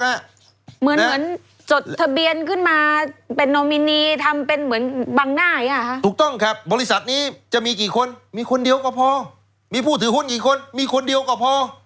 เหมือนจดทะเบียนขึ้นมาเป็นนโนมีณีทำเป็นมันเงินบังหน้า